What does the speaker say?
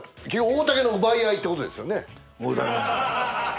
大竹の奪い合いってことですよね。